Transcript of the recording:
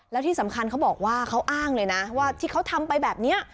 แล้วที่สำคัญเขาบอกว่าเขาอ้างเลยนะว่าที่เขาทำไปแบบนี้